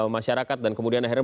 masyarakat dan kemudian akhirnya